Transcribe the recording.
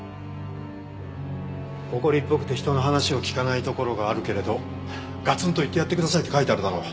「怒りっぽくて人の話を聞かないところがあるけれどガツンと言ってやってください」って書いてあるだろ。